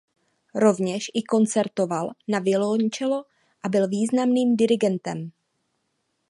Rovněž i koncertoval na violoncello a byl významným dirigentem.